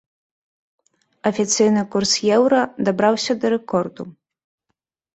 Афіцыйны курс еўра дабраўся да рэкорду.